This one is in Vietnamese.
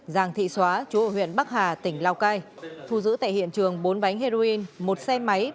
giàng thị xóa chú ở huyện bắc hà tỉnh lào cai thu giữ tại hiện trường bốn bánh heroin một xe máy